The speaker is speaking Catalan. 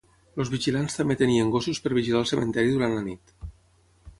Els vigilants també tenien gossos per vigilar el cementiri durant la nit.